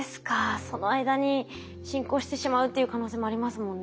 その間に進行してしまうっていう可能性もありますもんね。